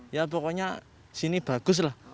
ya pokoknya sini bagus lah